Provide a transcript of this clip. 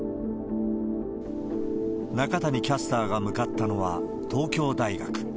中谷キャスターが向かったのは東京大学。